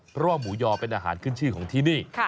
เพราะว่าหมูยอเป็นอาหารขึ้นชื่อของที่นี่